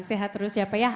sehat terus ya pak ya